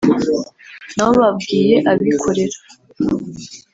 nabo babwiye abikorera